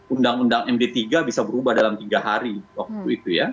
undang undang md tiga bisa berubah dalam tiga hari waktu itu ya